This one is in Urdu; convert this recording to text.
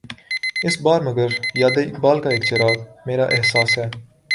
اس بار مگر یاد اقبال کا ایک چراغ، میرا احساس ہے